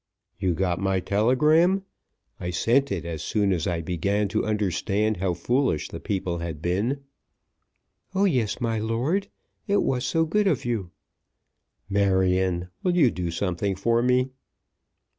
"You got my telegram? I sent it as soon as I began to understand how foolish the people had been." "Oh yes, my lord. It was so good of you!" "Marion, will you do something for me?"